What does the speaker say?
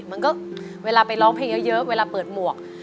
มันก็เวลาไปร้องเพลงเยอะเวลาเปิดหมวก